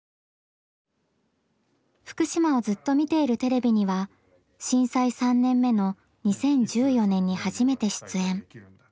「福島をずっと見ているＴＶ」には震災３年目の２０１４年に初めて出演。